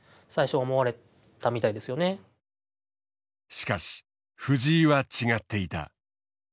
しかし藤井は違っていた。